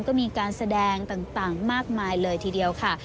ก็มีการแสดงต่างมากมายเลยทีเดียวค่ะ